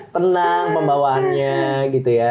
tenang pembawaannya gitu ya